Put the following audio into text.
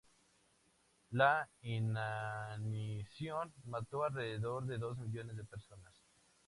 La inanición mató alrededor de dos millones de personas.